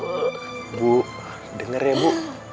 ibu denger ya bu